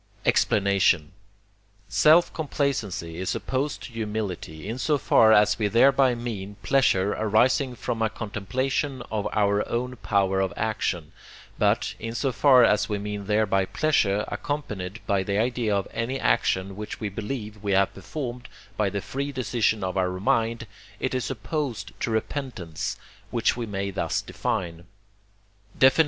Explanation Self complacency is opposed to humility, in so far as we thereby mean pleasure arising from a contemplation of our own power of action; but, in so far as we mean thereby pleasure accompanied by the idea of any action which we believe we have performed by the free decision of our mind, it is opposed to repentance, which we may thus define: XXVII.